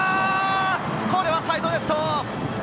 これはサイドネット！